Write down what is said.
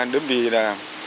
đơn vị là